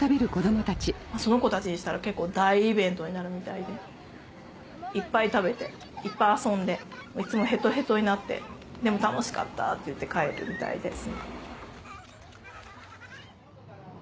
その子たちにしたら結構大イベントになるみたいでいっぱい食べていっぱい遊んでいつもヘトヘトになってでも「楽しかった」って言って帰るみたいです。